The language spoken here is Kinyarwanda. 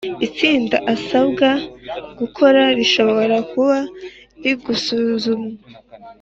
itsinda asabwa gukora rishobora kuba rigusuzuma